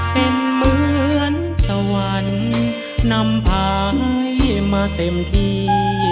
เป็นเหมือนสวรรค์นำพายมาเต็มที่